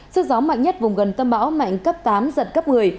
sức gió mạnh nhất vùng gần tâm bão mạnh cấp tám giật cấp một mươi